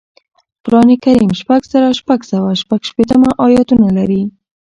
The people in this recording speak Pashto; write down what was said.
قرآن کریم شپږ زره شپږسوه شپږشپیتمه اياتونه لري